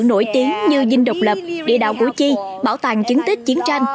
nổi tiếng như dinh độc lập địa đạo củ chi bảo tàng chứng tích chiến tranh